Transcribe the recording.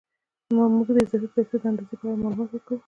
موږ د اضافي پیسو د اندازې په اړه معلومات ورکوو